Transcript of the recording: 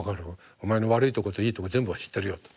お前の悪いとこといいとこ全部知ってるよ」と。